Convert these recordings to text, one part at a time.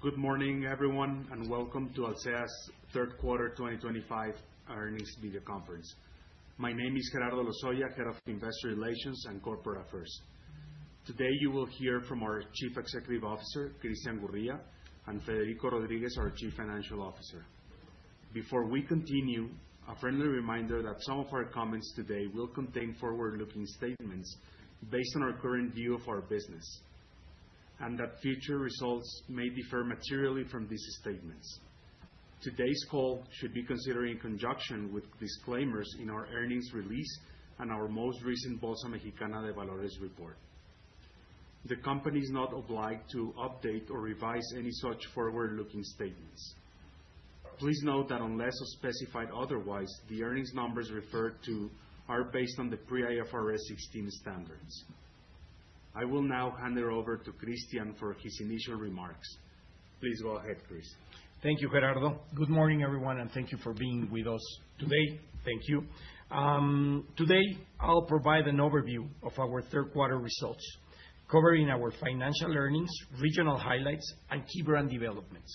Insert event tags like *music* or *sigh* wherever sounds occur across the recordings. Good morning, everyone, and welcome to Alsea's Third Quarter 2025 Earnings Video Conference. My name is Gerardo Lozoya, Head of Investor Relations and Corporate Affairs. Today you will hear from our Chief Executive Officer Christian Gurría and Federico Rodríguez, our Chief Financial Officer. Before we continue, a friendly reminder that some of our comments today will contain forward-looking statements based on our current view of our business and that future results may differ materially from these statements. Today's call should be considered in conjunction. With disclaimers in our earnings release and. Our most recent Bolsa Mexicana de Valores report. The company is not obliged to update or revise any such forward looking statements. Please note that unless specified otherwise, the earnings numbers referred to are based on the pre-IFRS 16 standards. I will now hand it over to Christian for his initial remarks. Please go ahead. Chris. Thank you Gerardo. Good morning everyone and thank you for being with us today. Thank you. Today I'll provide an overview of our third quarter results covering our financial earnings, regional highlights and key brand developments.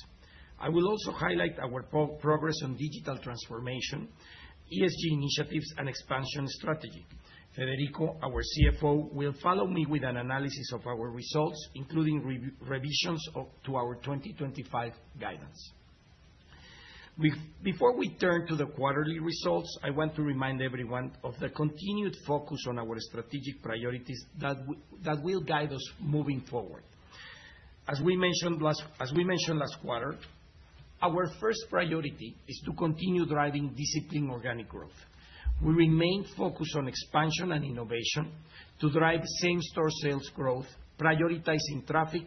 I will also highlight our progress on digital transformation, ESG initiatives and expansion strategy. Federico, our CFO will follow me with an analysis of our results including revisions to our 2025 guidance. Before we turn to the quarterly results, I want to remind everyone of the continued focus on our strategic priorities that will guide us moving forward. As we mentioned last quarter, our first priority is to continue driving disciplined organic growth. We remain focused on expansion and innovation to drive same store sales growth, prioritizing traffic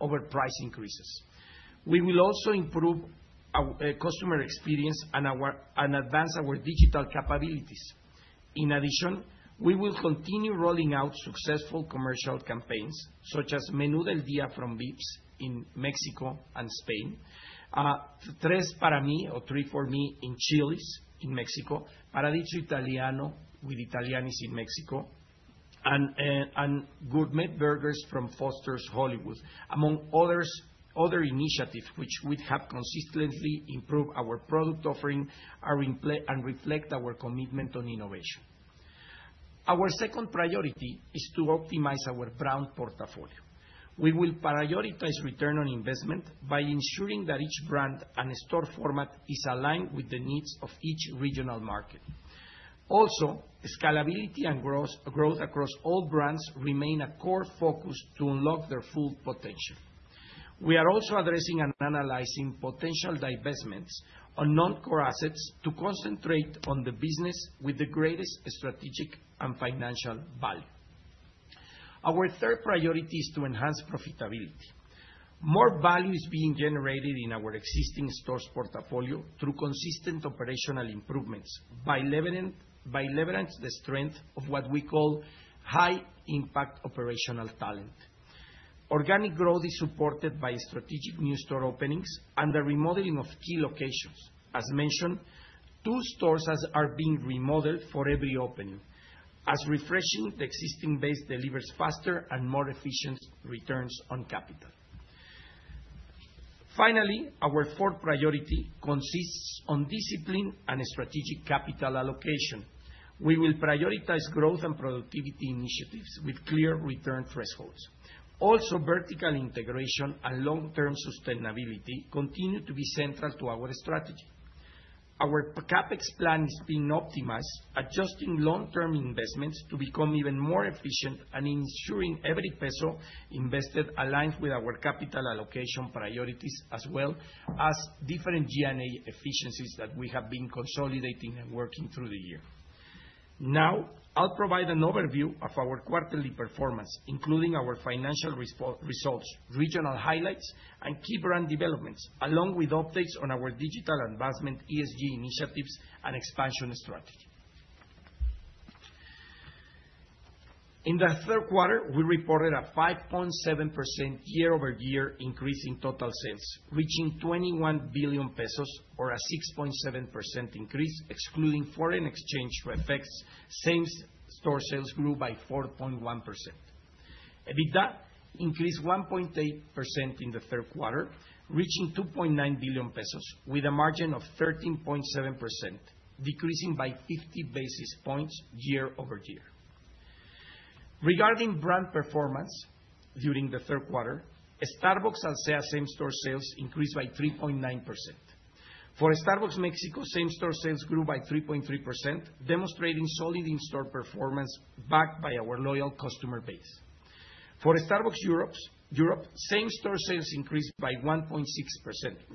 over price increases. We will also improve our customer experience and advance our digital capabilities. In addition, we will continue rolling out successful commercial campaigns such as Menú del Día from Vips in Mexico and Spain, Tres Para Mí or 3 For Me in Chili's in Mexico, Paradiso Italiano with Italianni's in Mexico and Gourmet Burgers from Foster's Hollywood among other initiatives which would have consistently improved our product offering and reflect our commitment on innovation. Our second priority is to optimize our brand portfolio. We will prioritize return on investment by ensuring that each brand and store format is aligned with the needs of each regional market. Also, scalability and growth across all brands remain a core focus to unlock their full potential. We are also addressing and analyzing potential divestments on non-core assets to concentrate on the business with the greatest strategic and financial value. Our third priority is to enhance profitability. More value is being generated in our existing stores portfolio through consistent operational improvements by leveraging the strength of what we call high-impact operational talent. Organic growth is supported by strategic new store openings and the remodeling of key locations. As mentioned, two stores are being remodeled for every opening as refreshing. The existing base delivers faster and more efficient stores returns on capital. Finally, our fourth priority consists on discipline and strategic capital allocation. We will prioritize growth and productivity initiatives with clear return thresholds. Also, vertical integration and long-term sustainability continue to be central to our strategy. Our CapEx plan is being optimized, adjusting long-term investments to become even more efficient and ensuring every peso invested aligns with our capital allocation priorities as well as different G&A efficiencies that we have been consolidating and working through the year. Now I'll provide an overview of our quarterly performance including our financial results, regional highlights and key brand developments along with updates on our digital advancement, ESG initiatives and expansion strategy. In the third quarter we reported a 5.7% year-over-year increase in total sales reaching 21 billion pesos or a 6.7% increase. Excluding foreign exchange effects, same store sales grew by 4.1%. EBITDA increased 1.8% in the third quarter reaching 2.9 billion pesos with a margin of 13.7%, decreasing by 50 basis points year-over-year. Regarding brand performance, during the third quarter, Starbucks Alsea same store sales increased by 3.9% for Starbucks Mexico, same store sales grew by 3.3% demonstrating solid in store performance backed by our loyal customer base. For Starbucks Europe, same store sales increased by 1.6%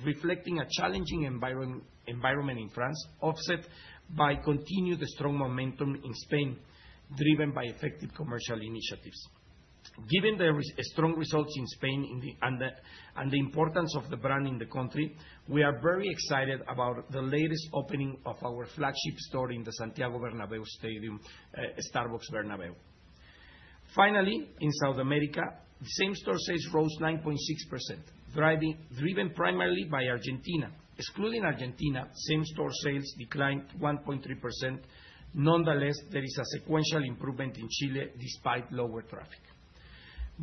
reflecting a challenging environment in France offset by continued strong momentum in Spain driven by effective commercial initiatives. Given the strong results in Spain and the importance of the brand in the country, we are very excited about the latest opening of our flagship store in the Santiago Bernabéu Stadium, Starbucks Bernabéu. Finally, in South America, the same store sales rose 9.6% driven primarily by Argentina. Excluding Argentina, same store sales declined 1.3%. Nonetheless, there is a sequential improvement in Chile despite lower traffic.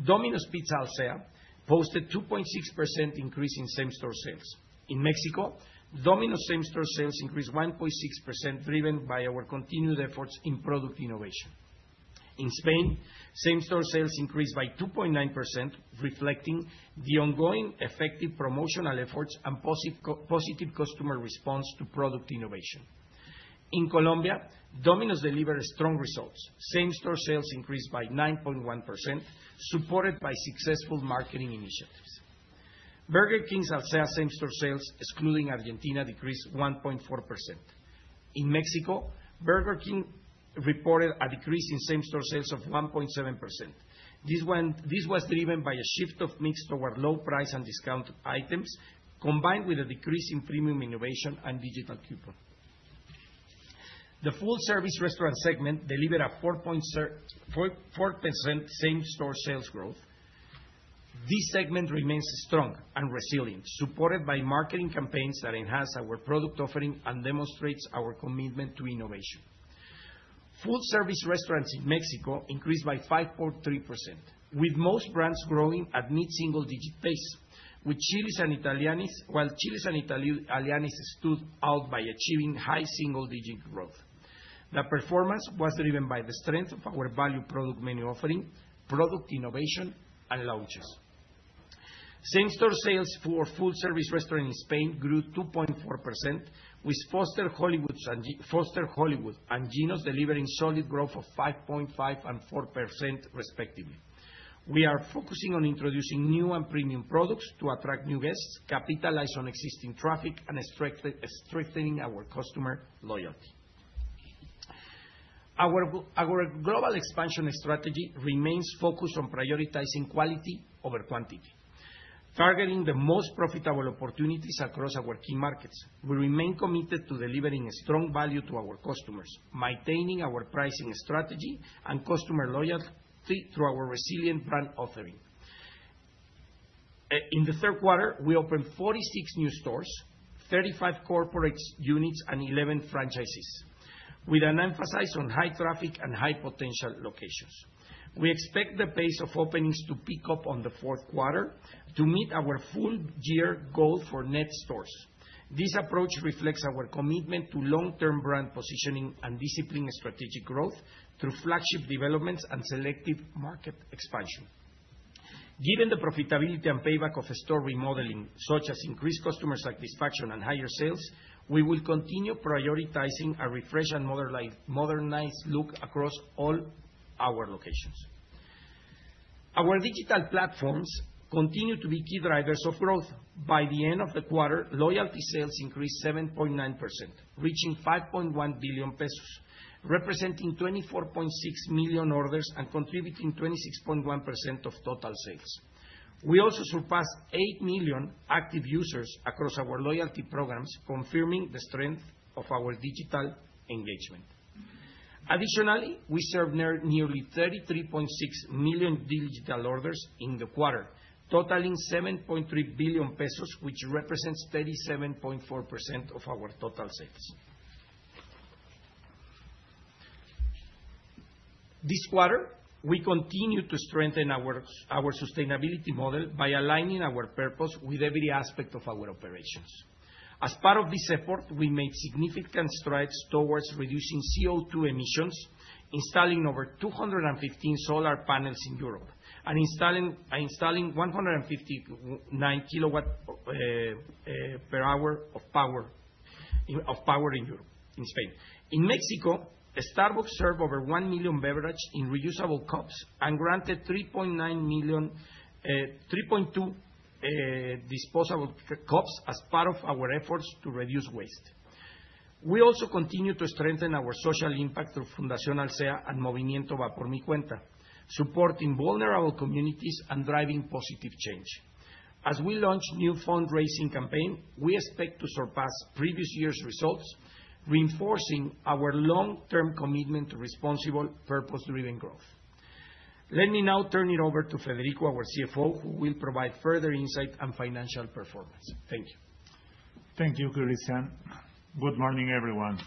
Domino's Pizza Alsea posted 2.6% increase in same store sales in Mexico. Domino's same store sales increased 1.6% driven by our continued efforts in product innovation. In Spain, same store sales increased by 2.9% reflecting the ongoing effective promotional efforts and positive customer response to product innovation. In Colombia, Domino's delivered strong results. Same store sales increased by 9.1% supported by successful marketing initiatives. Burger King Alsea same store sales excluding Argentina decreased 1.4%. In Mexico, Burger King reported a decrease in same store sales of 1.7%. This was driven by a shift of mix toward low price and discount items combined with a decrease in premium innovation and digital coupon. The full service restaurant segment delivered a 4% same store sales growth. This segment remains strong and resilient, supported by marketing campaigns that enhance our product offering and demonstrates our commitment to innovation. Full service restaurants in Mexico increased by 5.3% with most brands growing at mid single digit pace with Chili's and Italianni's. While Chili's and Italianni's stood out by achieving high single digit growth, the performance was driven by the strength of our value product, menu offering, product innovation and launches. Same store sales for full service restaurant in Spain grew 2.4% with Foster's Hollywood and Ginos delivering solid growth of 5.5% and 4% respectively. We are focusing on introducing new and premium products to attract new guests, capitalize on existing traffic and strength, strengthening our customer loyalty. Our global expansion strategy remains focused on prioritizing quality over quantity, targeting the most profitable opportunities across our key markets. We remain committed to delivering a strong value to our customers, maintaining our pricing strategy and customer loyalty through our resilient brand offering. In the third quarter we opened 46 new stores, 35 corporate units and 11 franchisees with an emphasis on high traffic and high potential locations. We expect the pace of openings to pick up on the fourth quarter to meet our full year goal for net stores. This approach reflects our commitment to long-term brand positioning and disciplined strategic growth through flagship developments and selective market expansion. Given the profitability and payback of store remodeling such as increased customer satisfaction and higher sales, we will continue prioritizing a refresh and modernized look across all our locations. Our digital platforms continue to be key drivers of growth. By the end of the quarter, loyalty sales increased 7.9% reaching 5.1 billion pesos representing 24.6 million orders and contributing 26.1% of total sales. We also surpassed 8 million active users across our loyalty programs, confirming the strength of our digital engagement. Additionally, we served nearly 33.6 million digital orders in the quarter totaling 7.3 billion pesos, which represents 37.4% of our total savings. This quarter, we continue to strengthen our sustainability model by aligning our purpose with every aspect of our operations. As part of this effort, we made significant strides towards reducing CO2 emissions, installing over 215 solar panels in Europe and installing 159 kW per hour of power in Europe, in Spain, in Mexico. Starbucks served over one million beverages in reusable cups and granted 3.9 million, sorry, 3.2 disposable cups. As part of our efforts to reduce waste, we also continue to strengthen our social impact through Fundación Alsea and Movimiento Va Por Mi Cuenta, supporting vulnerable communities and driving positive changes. As we launch new fundraising campaign, we expect to surpass previous year's results, reinforcing our long-term commitment to responsible purpose-driven growth. Let me now turn it over to Federico, our CFO, who will provide further insight and financial performance. Thank you. Thank you Christian. Good morning everyone.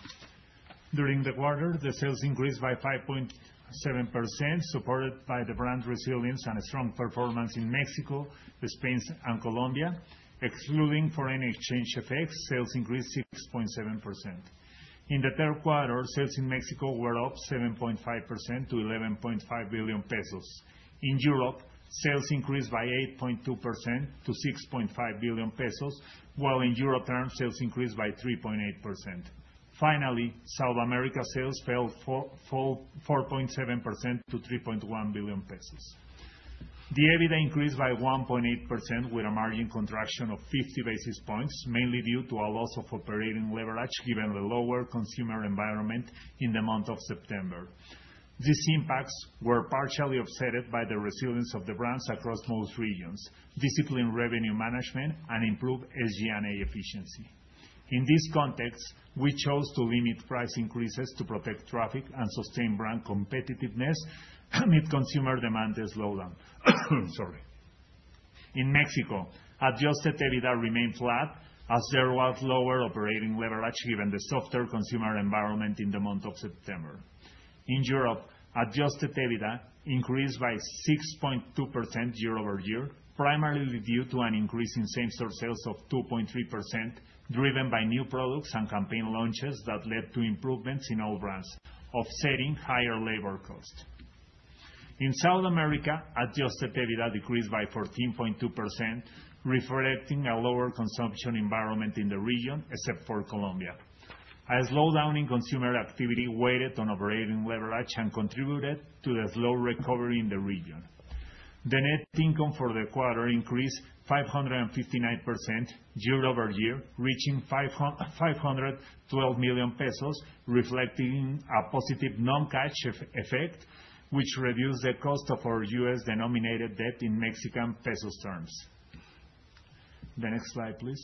During the quarter the sales increased by 5.7% supported by the brand resilience and a strong performance in Mexico, Spain and Colombia. Excluding foreign exchange effects, sales increased 6.7%. In the third quarter, sales in Mexico were up 7.5% to 11.5 billion pesos. In Europe sales increased by 8.2% to 6.5 billion pesos while in euro terms sales increased by 3.8%. Finally, South America sales fell 4.7% to 3.1 billion pesos. The EBITDA increased by 1.8% with a margin contraction of 50 basis points, mainly due to a loss of operating leverage given the lower consumer environment in the month of September. These impacts were partially offset by the resilience of the brands across most regions, disciplined revenue management and improved SG&A efficiency. In this context, we chose to limit price increases to protect traffic and sustain brand competitiveness amid consumer demand slowdown. Sorry. In Mexico, adjusted EBITDA remained flat as there was lower operating leverage given the softer consumer environment in the month of September. In Europe, adjusted EBITDA increased by 6.2% year-over-year, primarily due to an increase in same store sales of 2.3% driven by new products and campaign launches that led to improvements in all brands offsetting higher labor costs. In South America, adjusted EBITDA decreased by 14.2% reflecting a lower consumption environment in the region except for Colombia, a slowdown in consumer activity weighted on operating leverage and contributed to the slow recovery in the region. The net income for the quarter increased 559% year-over-year reaching 512 million pesos, reflecting a positive non-cash effect which reduced the cost of our U.S. denominated debt in Mexican pesos terms. The next slide, please.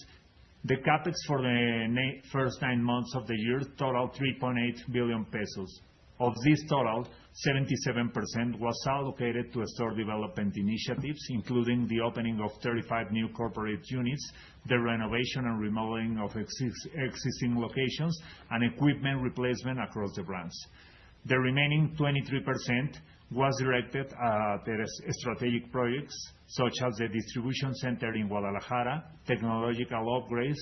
The CapEx for the first nine months of the year totaled 3.8 billion pesos. Of this total, 77% was allocated to store development initiatives including the opening of 35 new corporate units, the renovation and remodeling of existing locations and equipment replacement across the brands. The remaining 23% was directed at strategic projects such as the distribution center in Guadalajara, technological upgrades,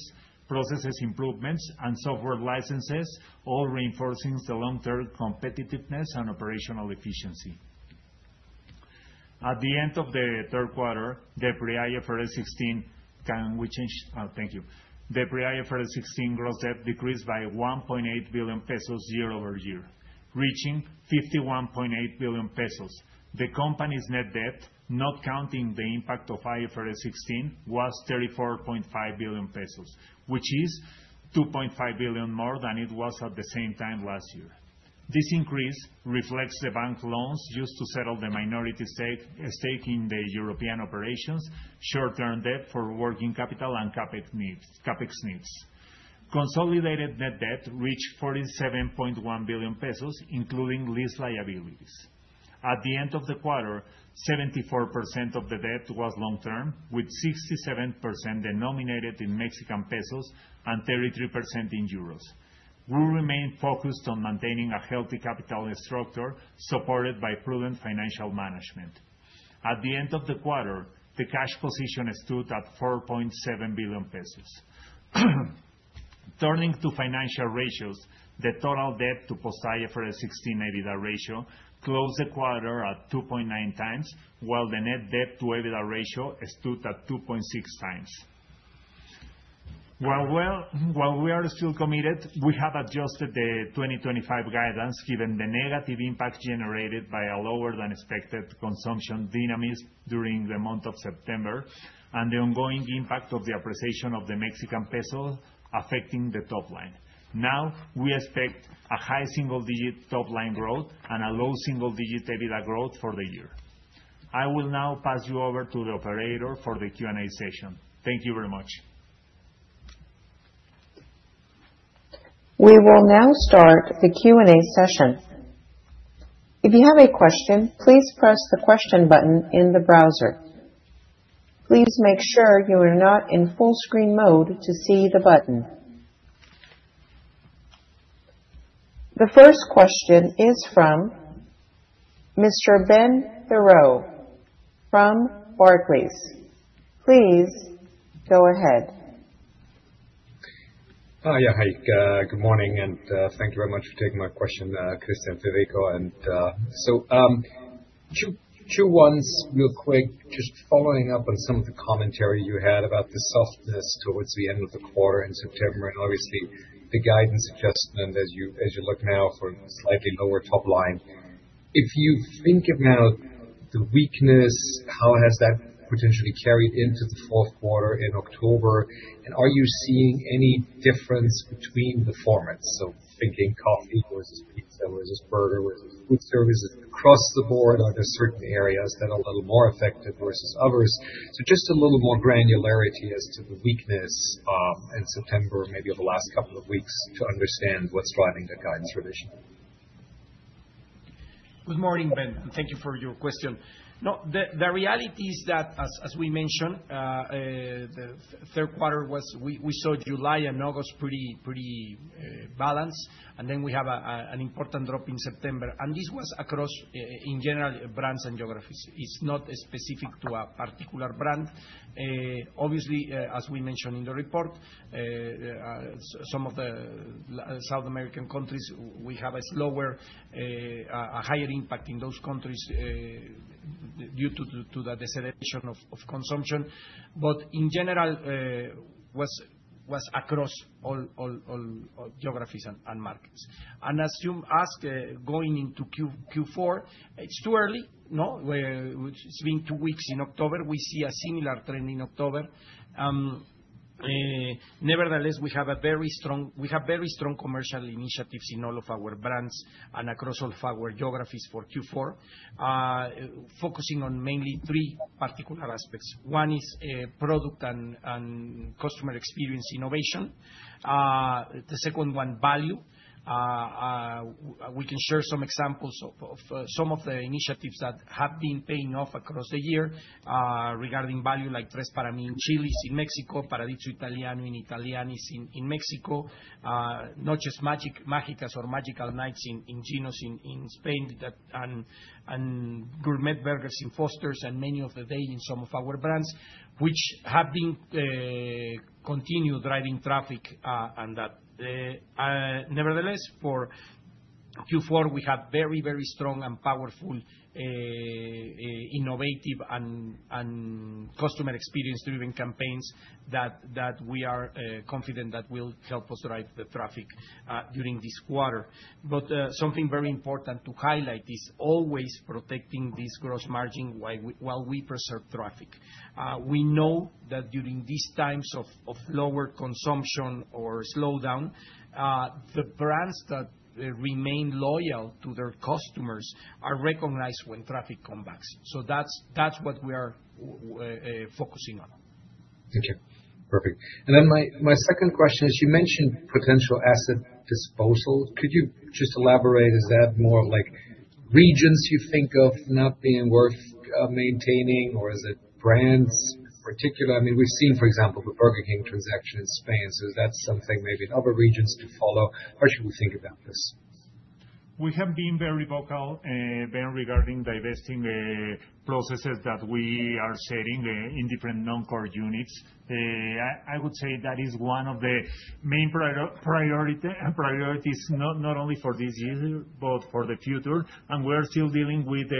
process improvements and software licenses, all reinforcing the long-term competitiveness and operational efficiency. At the end of the third quarter, the pre-IFRS 16, can we change? Thank you. The pre-IFRS 16 gross debt decreased by 1.8 billion pesos year-over-year, reaching 51.8 billion pesos. The company's net debt, not counting the impact of IFRS 16, was 34.5 billion pesos, which is 2.5 billion more than it was at the same time last year. This increase reflects the bank loans used to settle the minority stake in the European operations, short-term debt for working capital and CapEx needs. Consolidated net debt reached 47.1 billion pesos, including lease liabilities. At the end of the quarter, 74% of the debt was long-term, with 67% denominated in Mexican pesos and 33% in euros. We remain focused on maintaining a healthy capital structure supported by prudent financial management. At the end of the quarter, the cash position stood at 4.7 billion pesos. Turning to financial ratios, the total debt to post-IFRS 16 EBITDA ratio closed the quarter at 2.9x while the net debt to EBITDA ratio stood at 2.6x. While we are still committed, we have adjusted the 2025 guidance. Given the negative impact generated by a lower than expected consumption dynamics during the month of September and the ongoing impact of the appreciation of the Mexican peso affecting the top line now, we expect a high single digit top line growth and a low single digit EBITDA growth for the year. I will now pass you over to the operator for the Q&A session. Thank you very much. We will now start the Q&A session. If you have a question, please press the question button in the browser. Please make sure you are not in full screen mode to see the button. The first question is from Mr. Ben Theurer from Barclays. Please go ahead. Yeah, hi, good morning, and thank you very much for taking my question. Christian, Federico, and so two ones real quick. Just following up on some of the commentary you had about the softness towards the end of the quarter and obviously the guidance adjustment as you look now for slightly lower top line. If you think of now the weakness, how has that potentially carried into the fourth quarter in October, and are you seeing any difference between the formats? So thinking coffee versus pizza versus burger versus food service across the board, are there certain areas that are a little more affected versus others? So just a little more granularity as to the weakness in September, maybe over the last couple of weeks to understand what's driving the guidance revision. Good morning, Ben, and thank you for your question. The reality is that, as we mentioned, the third quarter was we saw July and August pretty, pretty balanced, and then we have an important drop in September, and this was across, in general, brands and geographies. It's not especially specific to a particular brand. Obviously, as we mentioned in the report. Some of the South American countries, we have a higher impact in those countries due to the deceleration of consumption but in general. Was across all geographies and markets, and assume ask going into Q4. It's too early. No, it's been two weeks in October. We see a similar trend in October. Nevertheless, we have very strong commercial initiatives in all of our brands and across all of our geographies for Q4, focusing on mainly three particular aspects. One is product and customer experience innovation. The second one, value. We can share some examples of some of the initiatives that have been paying off across the year regarding value like Tres Para Mí in Chili's in Mexico, Paradiso Italiano in Italianni's in Mexico, Noches Mágicas or Magical Nights in Ginos in Spain and Gourmet Burgers in Foster's and menu of the day in some of our brands which have been continue driving traffic, and that nevertheless for Q4 we have very, very strong and powerful. Innovative and customer experience driven campaigns that we are confident that will help us drive the traffic during this quarter, but something very important to highlight is always protecting this gross margin while we preserve traffic. We know that during these times of lower consumption or slowdown, the brands that remain loyal to their customers are recognized when traffic comes back, so that's what we are focusing on. Okay, perfect. And then my second question is you mentioned potential asset disposal. Could you just elaborate? Is that more like regions you think of not being worth maintaining or is it brands particular? I mean we've seen for example the Burger King transaction in Spain. So that's something maybe in other regions to follow. How should we think about this? We have been very vocal, Ben, regarding divesting processes that we are setting in different non-core units. I would say that is one of the main priorities not only for this year, but for the future and we're still dealing with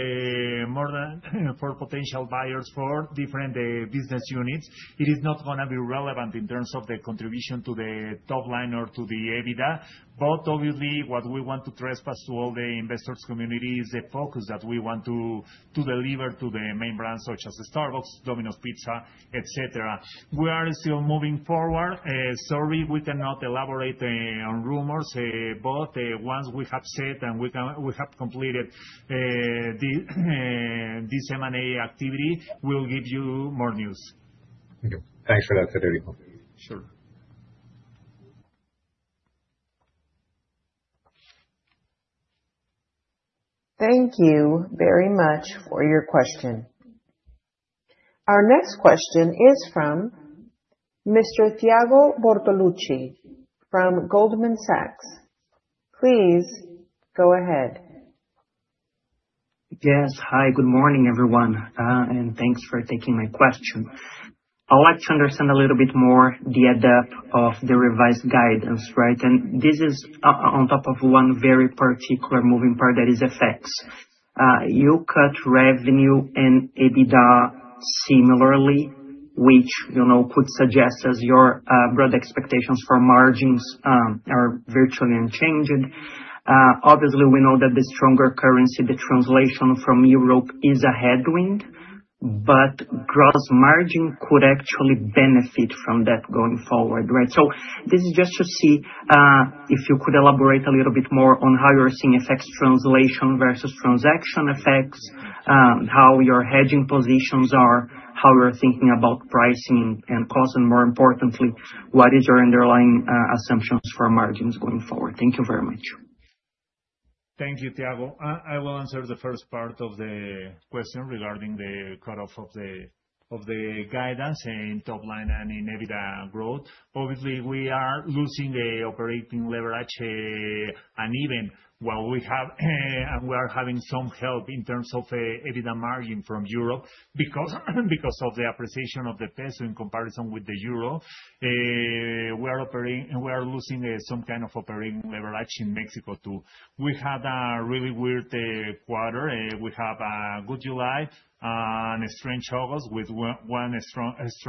more than four potential buyers for different business units. It is not going to be relevant in terms of the contribution to the top line or to the EBITDA, but obviously what we want to transmit to all the investors community is the focus that we want to deliver to the main brands such as the Starbucks, Domino's Pizza, etc. We are still moving forward. Sorry, we cannot elaborate on rumors, but once we have said and we have completed. This M&A activity, we'll give you more news. Thanks for that. Sure. Thank you very much for your question. Our next question is from Mr. Thiago Bortoluci from Goldman Sachs. Please go ahead. Yes.Hi, good morning, everyone, and thanks for taking my question. I'd like to understand a little bit more the impact of the revised guidance, right, and this is on top of one very particular moving part that is FX. You cut revenue and EBITDA similarly, which, you know, could suggest that your broad expectations for margins are virtually unchanged. Obviously, we know that the stronger currency translation from Europe is a headwind, but gross margin could actually benefit from that going forward. Right. So this is just to see if you could elaborate a little bit more on how you're seeing effects, translation versus transaction effects, how your hedging positions are, how you're thinking about pricing and cost, and more importantly, what is your underlying assumptions for margins going forward. Thank you very much. Thank you, Thiago. I will answer the first part of the question regarding the cutoff of the guidance in top line and in EBITDA growth. Obviously we are losing operating leverage, and even while we have and we are having some help in terms of EBITDA margin from Europe because of the appreciation of the peso in comparison with the euro. We are losing some kind of operating leverage in Mexico too. We had a really weird quarter. We have a good July and a strange August with one strongest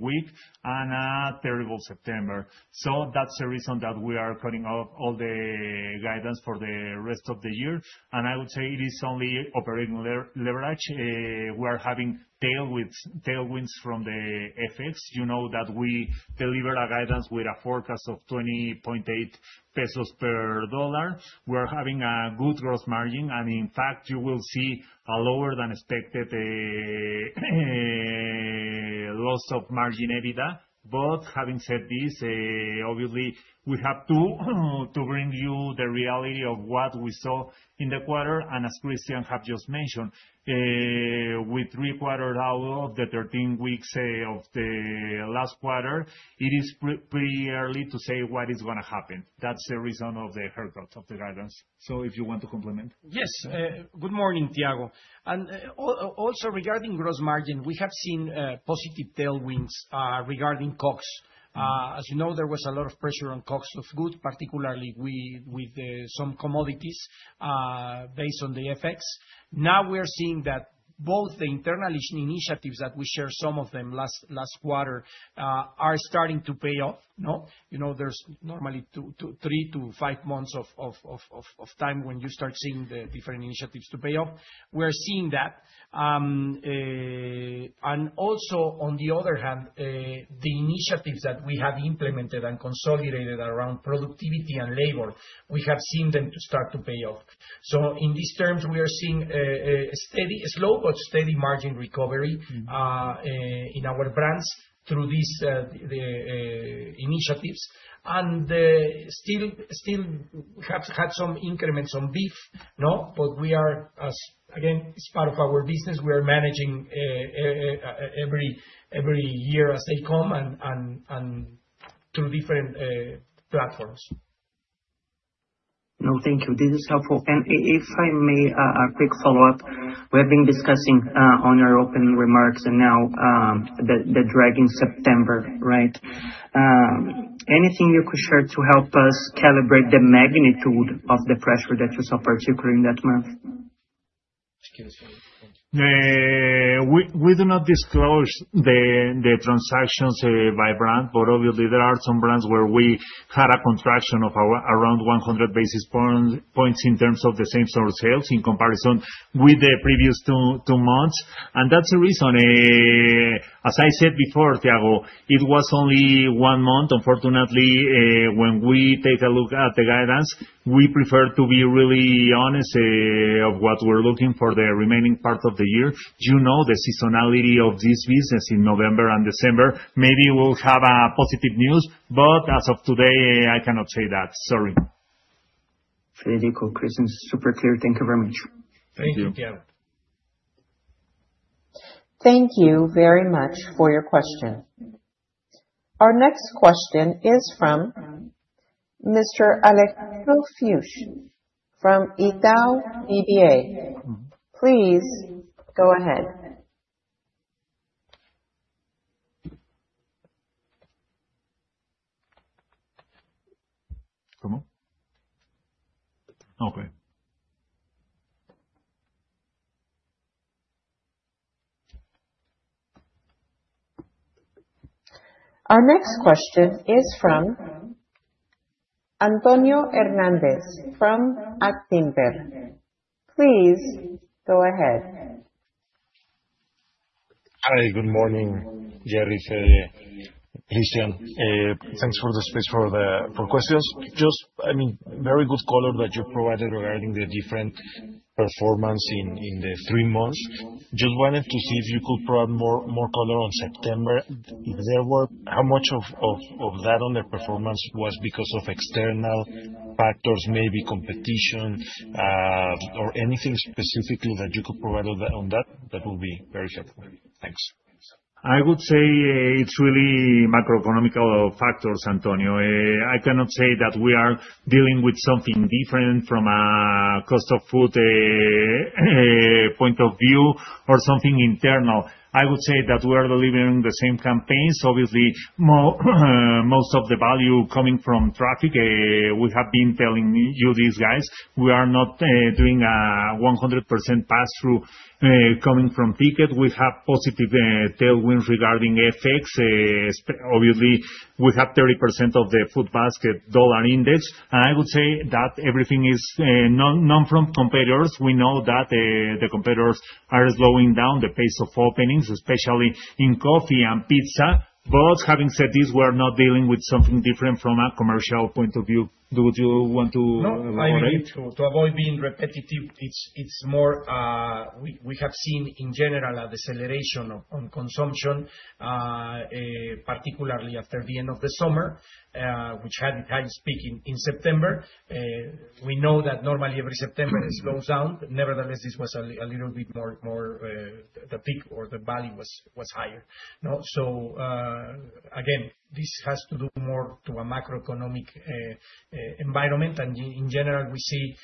week and a terrible September. So that's the reason that we are cutting off all the guidance for the rest of the year. And I would say it is only operating leverage. We are having tailwinds from the FX. You know that we deliver a guidance with a forecast of 20.8 pesos per dollar. We're having a good gross margin and in fact you will see a lower than expected. Loss of margin EBITDA, but having said this, obviously we have to bring you the reality of what we saw in the quarter, and as Christian have just mentioned, with 3/4 out of the 13 weeks of the last quarter, it is pretty early to say what is going to happen. That's the reason of the haircuts of the guidance, so if you want to comment. Yes, good morning, Thiago. And also regarding gross margin, we have seen positive tailwinds regarding COGS. As you know, there was a lot of pressure on COGS of goods, particularly with some commodities based on the FX. Now we are seeing that both the internal initiatives that we shared, some of them last quarter, are starting to pay off. There's normally three to five months of time when you start seeing the different initiatives to pay off. We are seeing that. And also on the other hand, the initiatives that we have implemented and consolidated around productivity and labor, we have seen them start to pay off. So in these terms we are seeing steady, slow but steady margin recovery in our brands through these initiatives and still have had some increments on beef? No, but we are again, it's part of our business. We are managing. Every year as they come and. Through different platforms. No, thank you. This is helpful. And if I may, a quick follow up. We have been discussing on our open remarks and now the drag in September, right? Anything you could share to help us calibrate the magnitude of the pressure that you saw, particularly in that month. We do not disclose the transactions by brand, but obviously there are some brands where we had contraction of around 100 basis points in terms of the same store sales in comparison with the previous two months, and that's the reason, as I said before Thiago, it was only one month. Unfortunately, when we take a look at the guidance, we prefer to be really honest of what we're looking for the remaining part of the year, you know, the seasonality of this business in November and December, maybe we'll have a positive news, but as of today I cannot say that. Sorry, Federico, Chris is super clear. Thank you very much. Thank you. Thank you very much for your question. Our next question is from Alejandro Fuchs from Itaú BBA. Please go ahead. Our next question is from Antonio Hernández from Actinver. Please go ahead. Hi, good morning, Federico, Christian, thanks for the space for the questions. Just I mean very good color that you provided regarding the different performance in the three months. Just wanted to see if you could provide more color on September if there were how much of that underperformance. Was because of external factors, maybe competition. or anything specifically that you could provide on that. That will be very helpful. Thanks. I would say it's really macroeconomic factors, Antonio. I cannot say that we are dealing with something different from a cost of food. Point of view or something internal. I would say that we are delivering the same campaigns. Obviously most of the value coming from traffic. We have been telling you, these guys, we are not doing a 100% pass through coming from ticket. We have positive tailwind regarding FX, obviously we have 30% of the food basket dollar index, and I would say that everything is none from competitors. We know that the competitors are slowing down the pace of openings, especially in coffee and pizza, but having said this, we're not dealing with something different from a commercial point of view. Do you want to *crosstalk* Avoid being repetitive? It's more. We have seen in general a deceleration on consumption. Particularly after the end of the summer, which had high spike in September. We know that normally every September slows down. Nevertheless, this was a little bit more the peak or the value was higher, so again this has more to do with a macroeconomic environment, and in general we see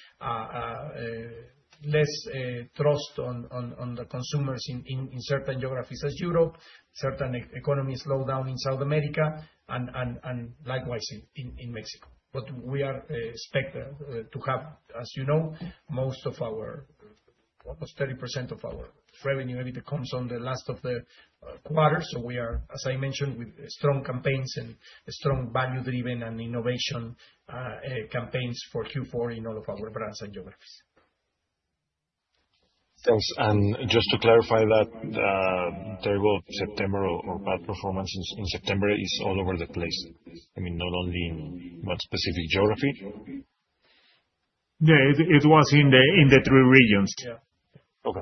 less thrust on the consumers in certain geographies as Europe, certain economies slow down in South America and likewise in Mexico. But we are expected to have, as you know, most of our almost 30% of our revenue comes on the last of the quarters. So we are as I mentioned with strong campaigns and strong value driven and innovation campaigns for Q4 in all of our brands and geographies. Thanks. And just to clarify, that table of September or bad performance in September is. All over the place. I mean not only in what specific geography. Yeah, it was in the three regions. Okay.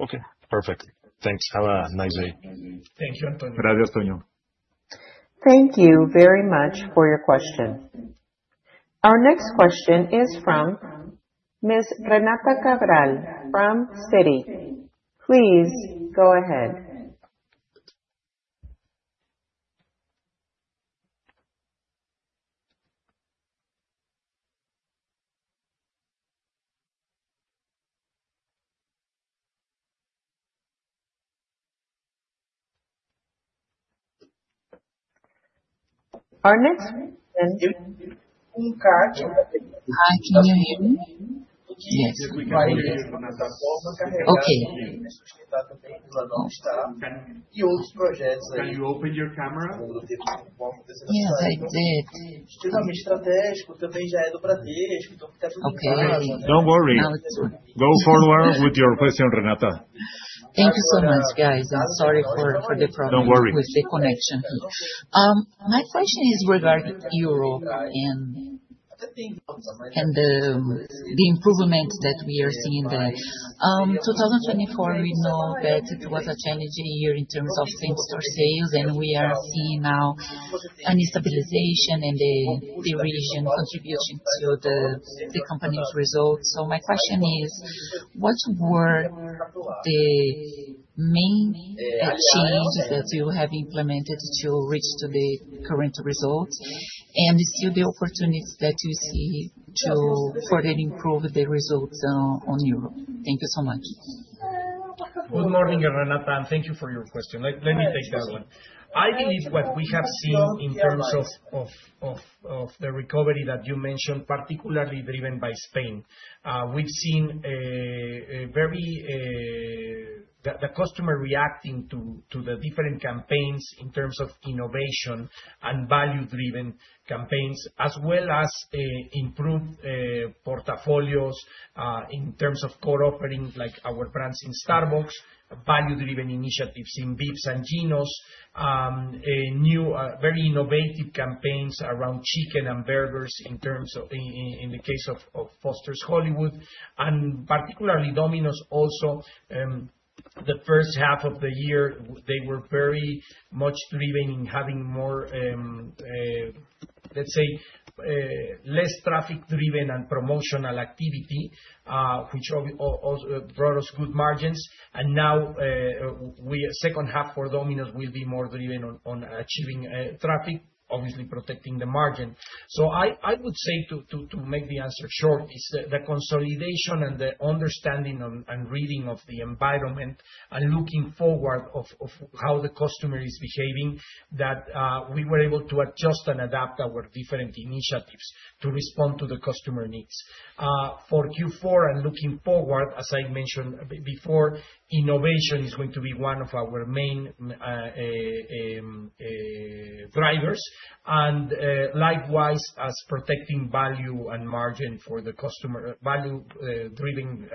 Okay, perfect. Thanks. Have a nice day. Thank you. Antonio. Thank you very much for your question. Our next question is from Ms. Renata Cabral from Citi. Please go ahead. Can you open your camera? Okay, don't worry. Go forward with your question, Renata. Thank you so much, guys. I'm sorry for the problem with the connection. My question is regarding Europe and the improvement that we are seeing there in 2024. We know that it was a challenging year in terms of same-store sales, and we are seeing now a stabilization in the region's contribution to the company's results, so my question is what were the main changes that you have implemented to reach to the current result and still?`The opportunities that you see to further. Improve the results on Europe? Thank you so much. Good morning. Thank you for your question. Let me take that one. I believe what we have seen in terms of the recovery that you mentioned, particularly driven by Spain, we've seen, the customer reacting to the different campaigns in terms of innovation and value driven campaigns as well as improved portfolios in terms of cooperating like our brands in Starbucks, value driven initiatives in Vips and Ginos, new very innovative campaigns around chicken and burgers in terms of in the case of Foster's Hollywood and particularly Domino's, also the first half of the year they were very much driven in having more. Let's say less traffic driven and promotional activity which brought us good margins, and now second half for Domino's will be more driven on achieving traffic, obviously protecting the margin, so I would say to make the answer short is the consolidation and the understanding and reading of the environment and looking forward of how the customer is behaving that we were able to adjust and adapt our different initiatives to respond to the customer needs for Q4, and looking forward, as I mentioned before, innovation is going to be one of our main. Drivers and likewise as protecting value and margin for the customer. Value driven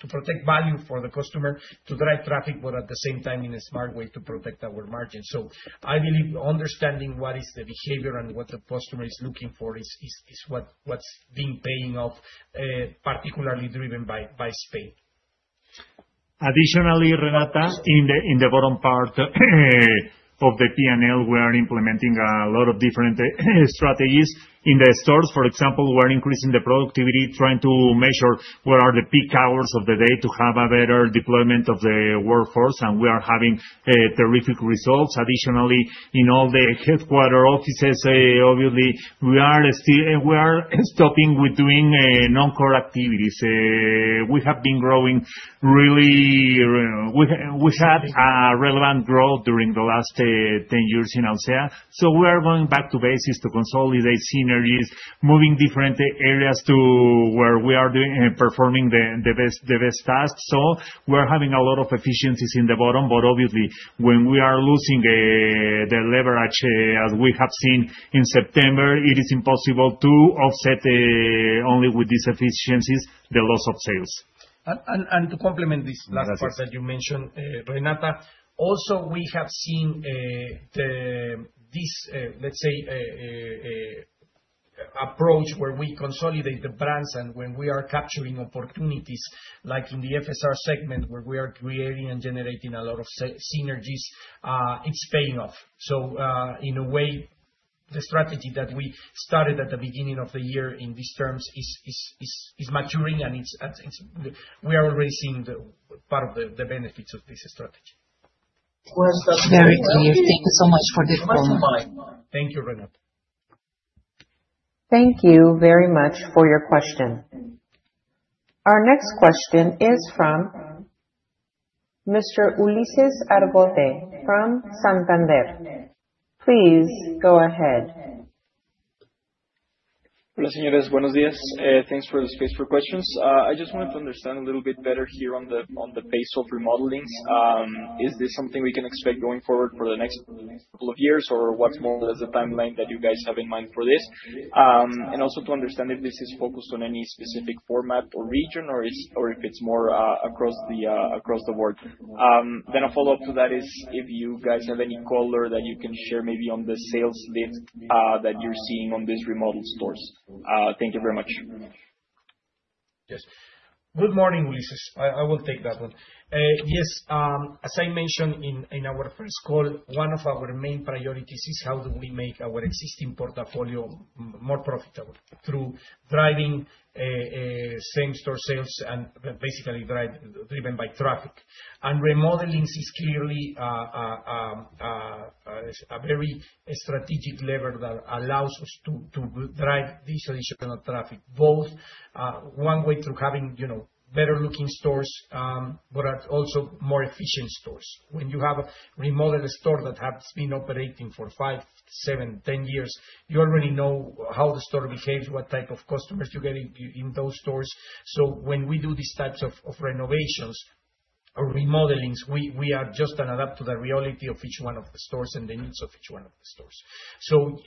to protect value for the customer to drive traffic, but at the same time in a smart way to protect our margin. So I believe understanding what is the behavior and what the customer is looking for is what's being paying off, particularly driven by Spain. Additionally, Renata, in the bottom part of the P&L, we are implementing a lot of different strategies in the stores. For example, we're increasing the productivity, trying to measure what are the peak hours of the day to have a better deployment of the workforce, and we are having terrific results. Additionally, in all the headquarters corporate offices, obviously, we are stopping with doing non-core activities. We have been growing. Really, we had relevant growth during the last 10 years in Alsea. So we are going back to basics to consolidate synergies, moving different areas to where we are performing the best tasks. So we are having a lot of efficiencies in the bottom. But obviously, when we are losing the leverage, as we have seen in September, it is impossible to offset only with these efficiencies the loss of sales. To complement this last part that you mentioned, Renata, also we have seen. This, let's say, approach where we consolidate the brands and when we are capturing opportunities like in the FSR segment, where we are creating and generating a lot of synergies, it's paying off. So in a way the strategy that we started at the beginning of the year in these terms is maturing and we are already seeing part of the benefits of this strategy. Very clear. Thank you so much for the question. Thank you. Renata. Thank you very much for your question. Our next question is from Mr. Ulises Argote from Santander. Please go ahead. Thanks for the space for questions. I just wanted to understand a little bit better here on the base of remodelings. Is this something we can expect going forward for the next couple of years? Or what's more or less the timeline that you guys have in mind for this? And also to understand if this is focused on any specific format or region or if it's more across the board. Then, a follow-up to that is. If you guys have any color that you can share, maybe on the sales lift that you're seeing on these remodeled stores? Thank you very much. Yes, good morning, Ulises. I will take that one. Yes. As I mentioned in our first call, one of our main priorities is how do we make our existing portfolio more profitable through driving same store sales and basically driven by traffic, and remodeling is clearly. A very strategic lever that allows us to drive this additional traffic both one way through having better looking stores, but also more efficient stores. When you have a remodel store that has been operating for five, seven, 10 years, you already know how the store behaves, what type of customers you get in those stores. So when we do these types of renovations or remodelings, we adjust to the reality of each one of the stores and the needs of each one of the stores. So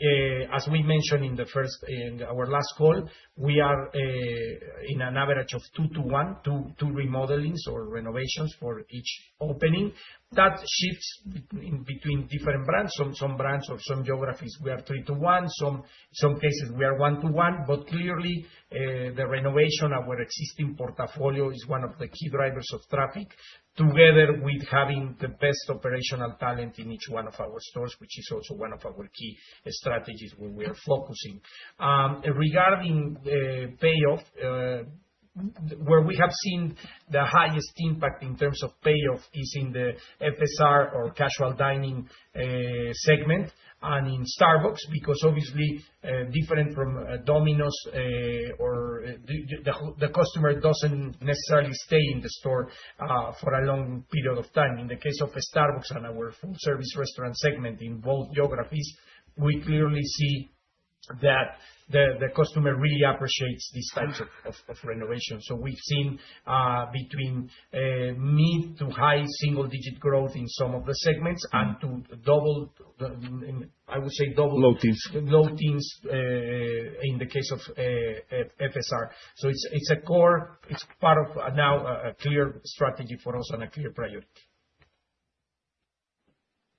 as we mentioned in the first, in our last call, we are in an average of 2:1 remodelings or renovations for each opening that shifts between different brands. Some brands or some geographies we are 3:1. Some cases we are 1:1. But clearly the renovation of our existing portfolio is one of the key drivers of traffic, together with having the best operational talent in each one of our stores, which is also one of our key strategies. Where we are focusing regarding payoff, where we have seen the highest impact in terms of payoff is in the FSR or casual dining segment and in Starbucks, because obviously different from Domino's or the customer doesn't necessarily stay in the store for a long period of time. In the case of Starbucks and our full service restaurant segment, in both geographies, we clearly see that the customer really appreciates these types of renovations. So we've seen between mid to high single digit growth in some of the segments and to double, I would say double low teens, low teens in the case of FSR. It's part of now, a clear strategy for us and a clear priority.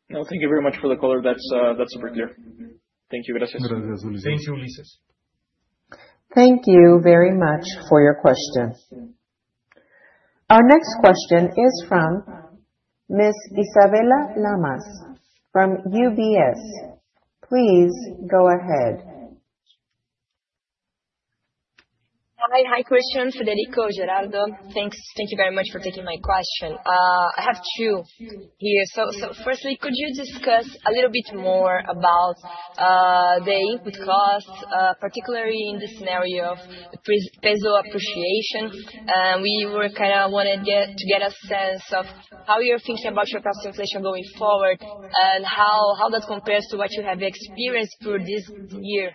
No, thank you very much for the color. That's super clear. Thank you. Ulises, Thank you very much for your question. Our next question is from Ms. Isabella Lamas from UBS. Please go ahead. Hi. Hi. Christian, Federico, Gerardo, thanks. Thank you very much for taking my question. I have two here, so firstly, could you discuss a little bit more about the input cost, particularly in the scenario of peso appreciation? We kind of wanted to get a sense of how you're thinking about your cost inflation going forward and how that compares to what you have experienced through this year,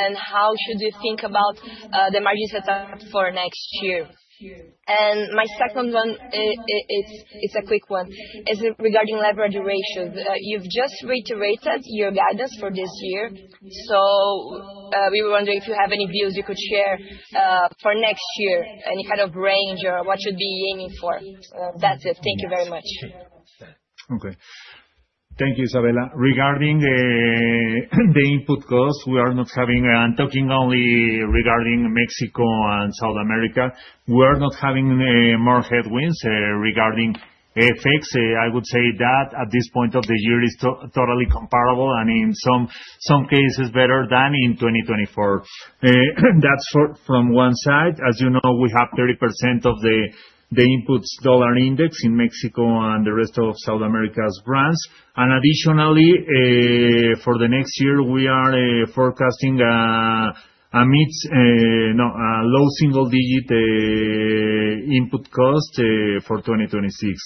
and how should you think about the margin set up for next year, and my second one, it's a quick one regarding leverage ratios. You've just reiterated your guidance as for this year, so we were wondering if you have any views you could share for next year, any kind of range or what we should be aiming for. That's it. Thank you very much. Okay, thank you, Isabella. Regarding the input cost we are not having and talking only regarding Mexico and South America. We are not having more headwinds regarding FX. I would say that at this point of the year is totally comparable and in some cases better than in 2024. That's from one side. As you know, we have 30% of the inputs dollar index in Mexico and the rest of South America's brands, and additionally for the next year we are forecasting a mid-low single-digit input cost for 2026,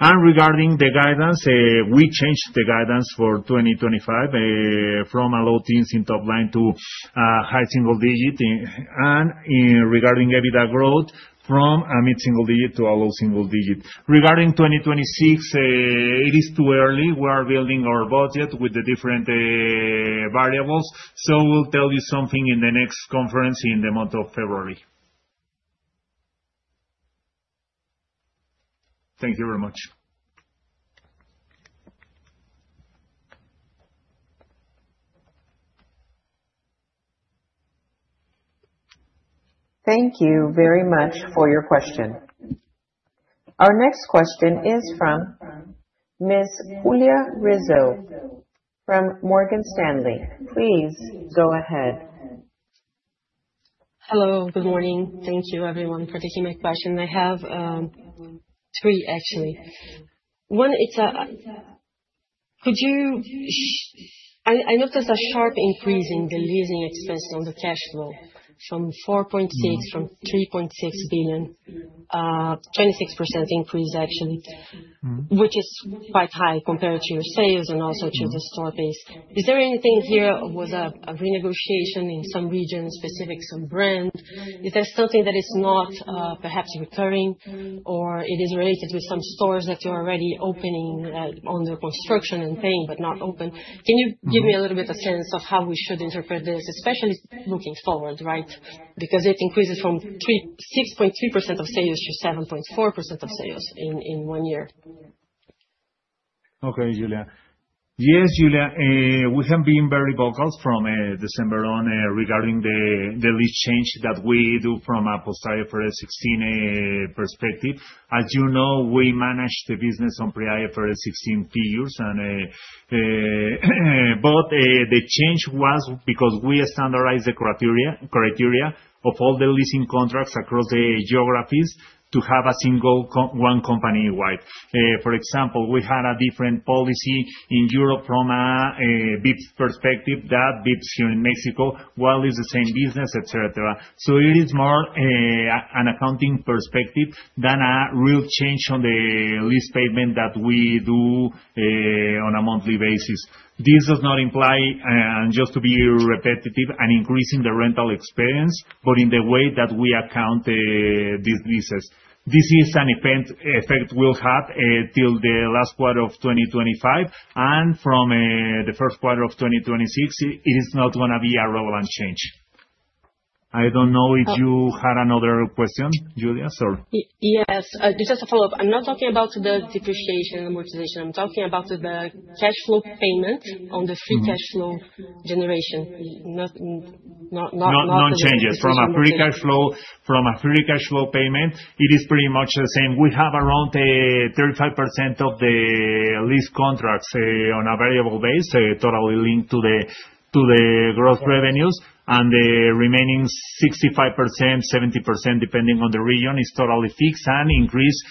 and regarding the guidance, we changed the guidance for 2025 from a low-teens in top line to high-single-digit, and regarding EBITDA growth from a mid-single-digit to a low-single-digit regarding 2026, it is too early. We are building our budget with the different variables. So we'll tell you something in the next conference in the month of February. Thank you very much. Thank you very much for your question. Our next question is from Ms. Julia Rizzo from Morgan Stanley. Please go ahead. Hello, good morning. Thank you, everyone, for taking my question. I have three actually. One, it's, could you, I noticed a sharp increase in the leasing expense on the cash flow from 4.6 billion from 3.6 billion, 26% increase actually, which is quite high compared to your sales and also to the store base. Is there anything here was a renegotiation in some regions specific some brand. Is there something that is not perhaps recurring or it is related with some stores that you're already opening under construction and paying but not open. Can you give me a little bit of sense of how we should interpret this especially looking forward. Right. Because it increases from 6.3% of sales to 7.4% of sales in one year. Okay, Julia. Yes, Julia. We have been very vocal from December on regarding the lease change that we do from a post-IFRS 16 perspective. As you know, we manage the business on pre-IFRS 16 figures. But the change was because we standardized the criteria of all the leasing contracts across the geographies to have a single one company wide. For example, we had a different policy in Europe from a Vips perspective, that Vips here in Mexico, while it's the same business, etc. So it is more an accounting perspective than a real change on the lease payment that we do on a monthly basis. This does not imply just to be repetitive and increasing the rental expense, but in the way that we account these leases. This is an effect we'll have till the last quarter of 2025 and from the first quarter of 2026 it is not going to be a relevant change. I don't know if you had another question, Julia? Yes, just a follow up. I'm not talking about the depreciation amortization, I'm talking about the cash flow payment on the free cash flow generation. No changes from a free cash flow. From a free cash flow payment, it is pretty much the same. We have around 35% of the lease contracts on a variable basis, totally linked to the gross revenues and the remaining 65%-70% depending on the region, is totally fixed and increase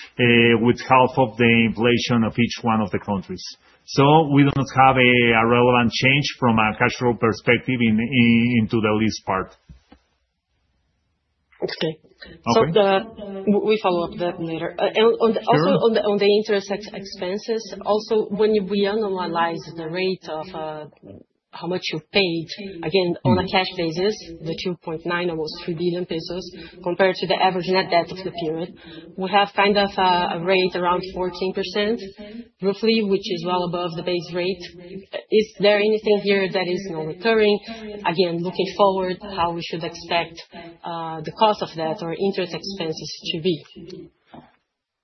with half of the inflation of each one of the countries. So we don't have a relevant change from a cash flow perspective into the lease part. Okay, we follow up that later also on the interest expenses. Also when we analyze the rate of how much you paid again on a cash basis, the 2.9 billion, almost 3 billion pesos compared to the average net debt of the period, we have kind of a rate around 14% roughly, which is well above the base rate. Is there anything here that is not recurring? Again, looking forward, how we should expect the cost of that or interest expenses to be?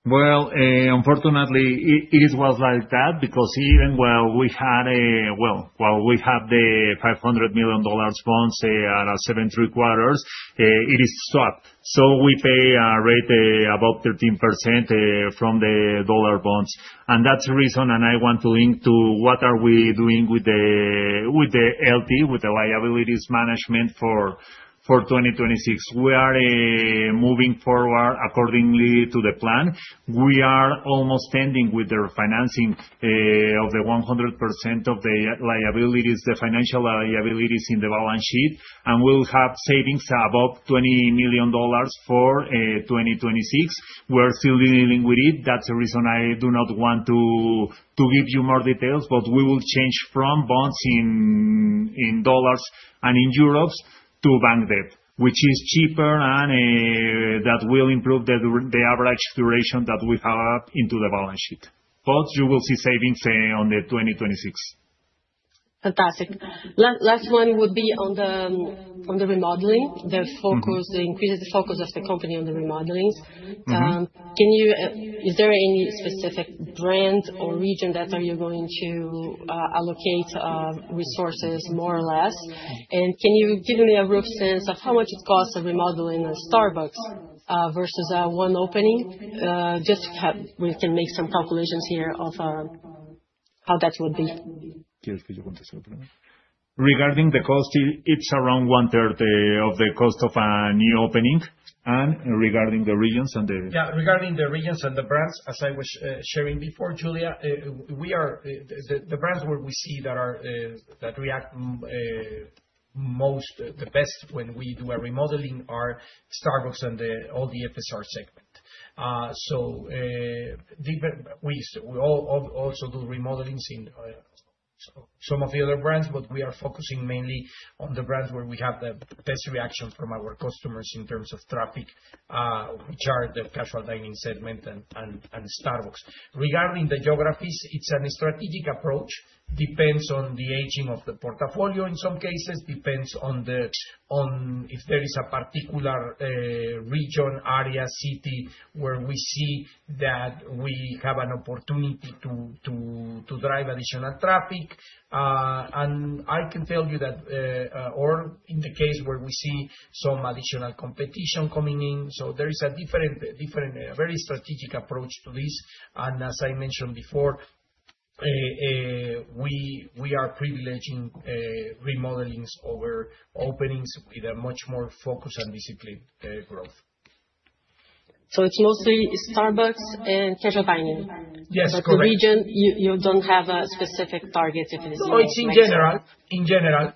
Well, unfortunately it was like that because while we have the $500 million bonds 7.75%, it is swapped. So we pay a rate about 13% from the dollar bonds. And that's the reason. And I want to link to what are we doing with the LT with the liabilities management for 2026. We are moving forward accordingly to the plan. We are almost ending with the refinancing of the 100% of the liabilities, the financial liabilities in the balance sheet. And we'll have savings above $20 million for 2026. We're still dealing with it. That's the reason I do not want to give you more details, but we will change from bonds in dollars and in euros to bank debt, which is cheaper and that will improve the average duration that we have into the balance sheet. But you will see savings on the 2026. Fantastic. Last one would be on the remodeling. The focus increases the focus of the company on the remodelings. Is there any specific brand or region that you are going to allocate resources? More or less. And can you give me a rough sense of how much it costs a remodeling, a Starbucks versus one opening? Just we can make some calculations here of how that would be. Regarding the cost, it's around 1/3 of the cost of a new opening and regarding the regions and the. Yeah, regarding the regions and the brands, as I was sharing before, Julia, we are the brands where we see that are that react, most the best when we do a remodeling are Starbucks and all the FSR segment, so. We also do remodelings in some of the other brands, but we are focusing mainly on the brands where we have the best reaction from our customers in terms of traffic, which are the casual dining segment and Starbucks. Regarding the geographies, it's a strategic approach. Depends on the aging of the portfolio. In some cases depends on if there is a particular region, area, city where we see that we have an opportunity to drive additional traffic, and I can tell you that, or in the case where we see some additional competition coming in, so there is a different very strategic approach to this, and as I mentioned before. We are privileging remodelings over openings with a much more focused and disciplined growth. So it's mostly Starbucks and casual dining. Yes. In the region you don't have a specific target. In general,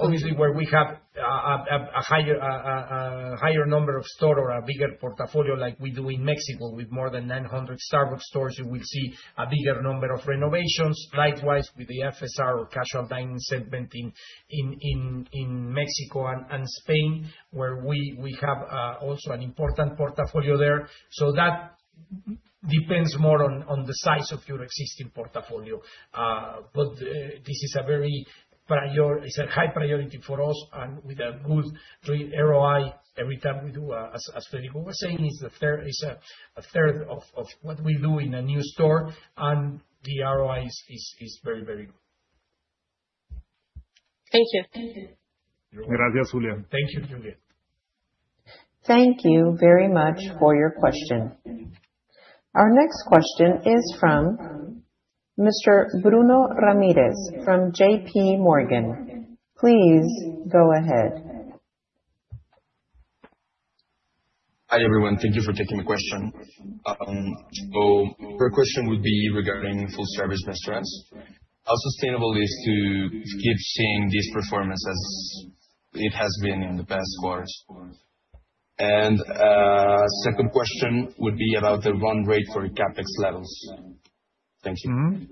obviously where we have a higher number of stores or a bigger portfolio like we do in Mexico with more than 900 Starbucks stores, you will see a bigger number of renovations. Likewise, with the FSR or casual dining segment in Mexico and Spain where we have also an important portfolio there, so that depends more on the size of your existing portfolio, but this is a very high priority for us, and with a good ROI, every time we do, as Federico was saying, is a 1/3 of what we do in a new store, and the ROI is very, very good. Thank you. Thank you Julia. Thank you very much for your question. Our next question is from Mr. Bruno Ramirez from JPMorgan. Please go ahead. Hi everyone. Thank you for taking the question. The question would be regarding full service restaurants. How sustainable is to keep seeing this performance as it has been in the past quarters? And second question would be about the run rate for CapEx levels. Thank you.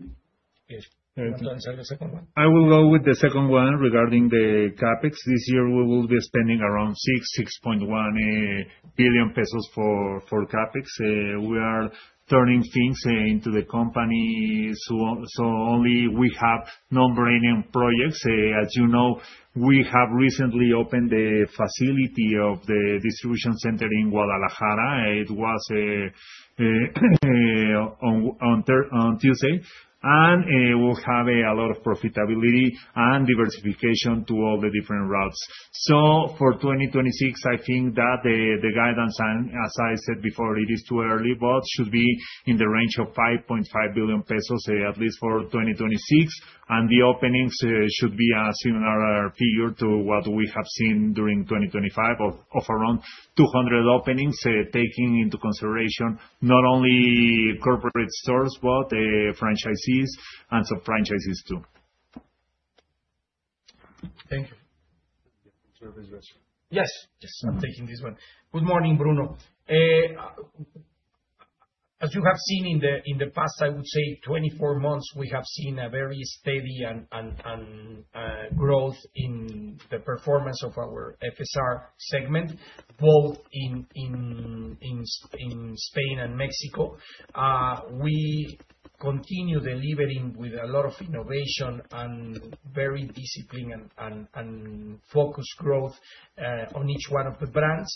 I will go with the second one. Regarding the CapEx. This year we will be spending around 6 billion- 6.1 billion pesos for CapEx. We are turning things into the company so only we have no-brainer projects. As you know, we have recently opened the facility of the distribution center in Guadalajara. It was on Tuesday and we'll have a lot of profitability and diversification to all the different routes, so for 2026 I think that the guidance and, as I said before, it is too early but should be in the range of 5.5 billion pesos at least for 2026, and the openings should be a similar figure to what we have seen during 2025 of around 200 openings, taking into consideration not only corporate stores, but franchisees and some franchisees too. Thank you. Yes, yes, I'm taking this one. Good morning, Bruno. As you have seen in the past, I would say 24 months, we have seen a very steady growth in the performance of our FSR segment both in Spain and Mexico. We continue delivering with a lot of innovation and very disciplined and focused growth on each one of the brands.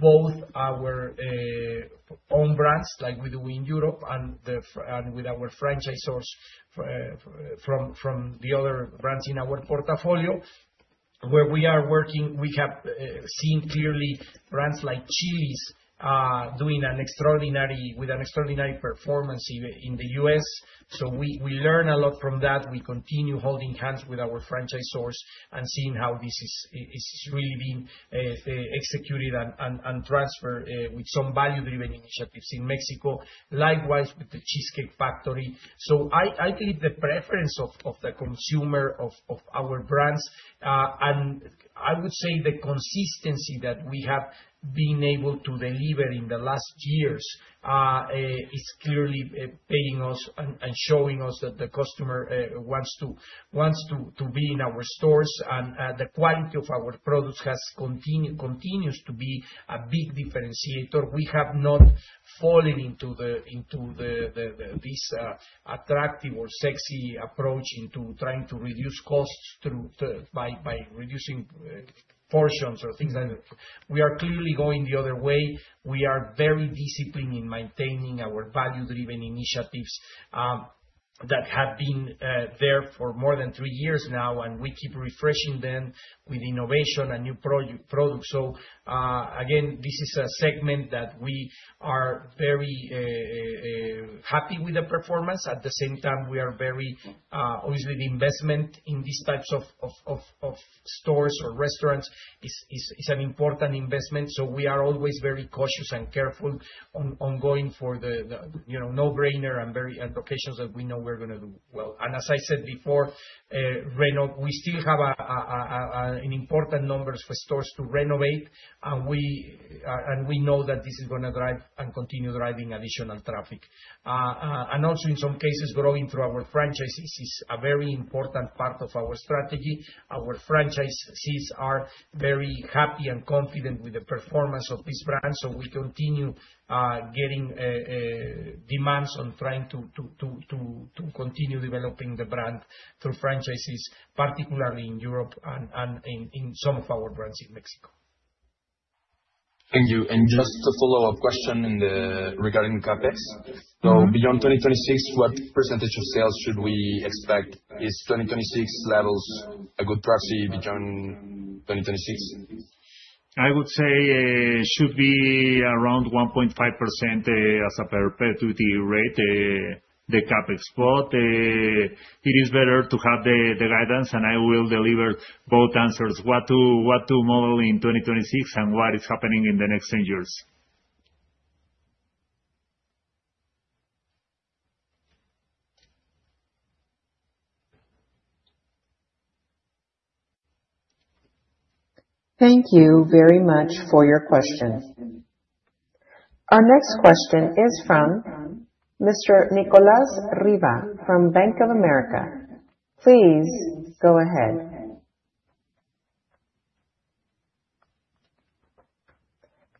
Both our own brands like we do in Europe and with our franchisors from the other brands in our portfolio where we are working. We have seen clearly brands like Chili's doing extraordinarily with extraordinary performance in the U.S., so we learn a lot from that. We continue holding hands with our franchisors and seeing how this is really being executed and transferred with some value-driven initiatives in Mexico, likewise with the Cheesecake Factory, so I believe the preference of the consumer of our brands and I would say the consistency that we have been able to deliver in the last years is clearly paying us and showing us that the customer wants to. Wants to be in our stores and the quality of our products has continues to be a big differentiator. We have not fallen into this attractive or sexy approach to trying to reduce costs by reducing portions or things like that. We are clearly going the other way. We are very disciplined in maintaining our value-driven initiatives that have been there for more than three years now, and we keep refreshing them with innovation and new products, so again, this is a segment that we are very happy with the performance. At the same time, we are very obviously the investment in these types of stores or restaurants is an important investment, so we are always very cautious and careful ongoing for the no-brainer and locations that we know we're going to do well, and as I said before, Bruno, we still have an important number of stores to renovate and we know that this is going to drive and continue driving additional traffic. And also in some cases growing through our franchisees is a very important part of our strategy. Our franchisees are very happy and confident with the performance of these brands. So we continue getting demands on trying to continue developing the brand through franchises, particularly in Europe and in some of our brands in Mexico. Thank you. And just a follow up question regarding CapEx. So beyond 2026, what percentage of sales should we expect is 2026 levels? A good proxy beyond 2026? I would say it should be around 1.5% as a perpetuity rate the CapEx, but it is better to have the guidance, and I will deliver both answers, what to model in 2026 and what is happening in the next 10 years. Thank you very much for your question. Our next question is from Mr. Nicolas Riva from Bank of America. Please go ahead.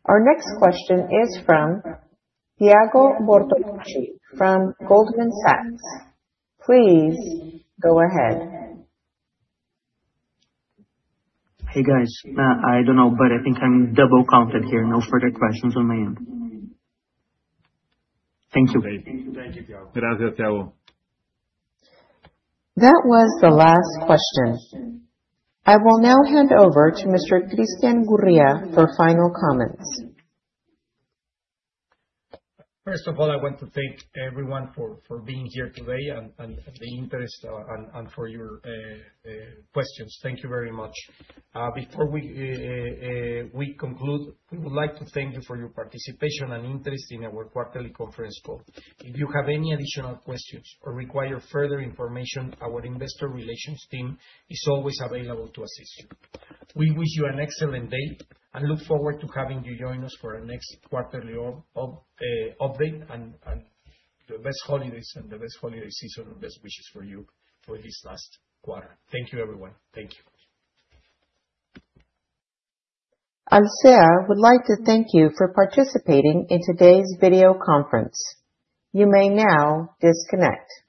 Our next question is from Thiago Bortoluci from Goldman Sachs. Please go ahead. Hey guys, I don't know, but I think I'm double counted here. No further questions on my end. Thank you. *crosstalk* That was the last question. I will now hand over to Mr. Christian Gurría for final comments. First of all, I want to thank everyone for being here today and the interest and for your questions. Thank you very much. Before we conclude, we would like to thank you for your participation and interest in our quarterly conference call. If you have any additional questions or require further information, our investor relations team is always available to assist you. We wish you an excellent day and look forward to having you join us for our next quarterly update and the best holidays and the best holiday season and best wishes for you for this last quarter. Thank you everyone. Thank you. Alsea would like to thank you for participating in today's video conference. You may now disconnect.